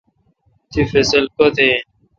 تی فصل کتہ این؟